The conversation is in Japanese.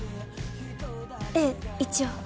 ええ一応。